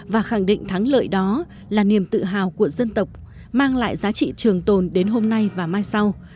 và khẳng định thắng lợi đó là niềm tự hào của dân tộc mang lại giá trị trường tồn đến hôm nay và mai sau